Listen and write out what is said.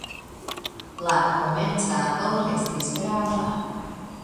La komercado restis grava.